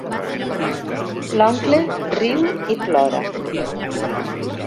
L'oncle riu i plora.